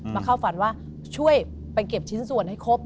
เข้าฝันว่าช่วยไปเก็บชิ้นส่วนให้ครบ